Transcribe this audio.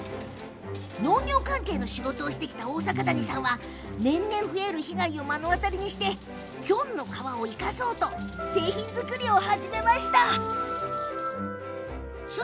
農業関係の仕事をしてきた大阪谷さんは、年々増える被害を目の当たりにしてキョンの革を生かそうと製品作りを始めたんです。